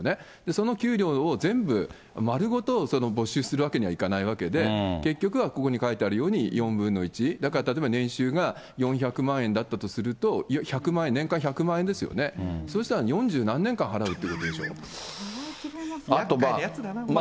その給料を全部丸ごと、没収するわけにいかないわけで、結局はここに書いてあるように、４分の１、だから例えば年収が４００万円だったとすると、１００万円、年間１００万円ですよね、そうしたら四十何年間払うっていうことでしょ。